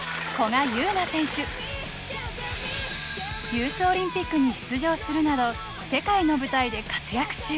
ユースオリンピックに出場するなど世界の舞台で活躍中。